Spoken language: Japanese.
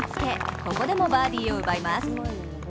ここでもバーディーを奪います。